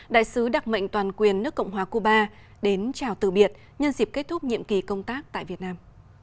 đại sứ đặc mệnh toàn quyền nước cộng hòa cuba đến chào từ biệt nhân dịp kết thúc nhiệm kỳ công tác tại việt nam